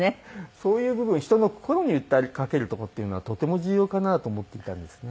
そういう部分人の心に訴えかけるとこっていうのはとても重要かなと思っていたんですね。